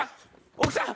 奥さん。